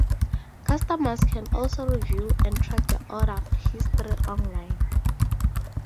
Customers can also review and track the order history online.